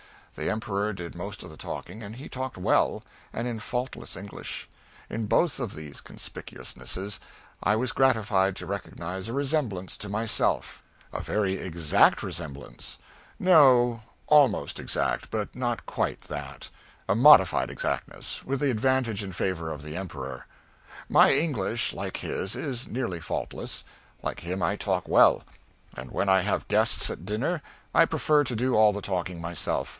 The Emperor did most of the talking, and he talked well, and in faultless English. In both of these conspicuousnesses I was gratified to recognize a resemblance to myself a very exact resemblance; no, almost exact, but not quite that a modified exactness, with the advantage in favor of the Emperor. My English, like his, is nearly faultless; like him I talk well; and when I have guests at dinner I prefer to do all the talking myself.